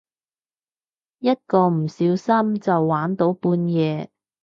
一個唔小心就玩到半夜